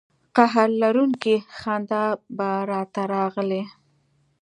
قهر لرونکې خندا به را ته راغلې.